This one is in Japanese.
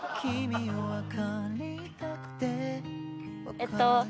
えっと